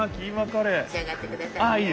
めしあがってくださいね。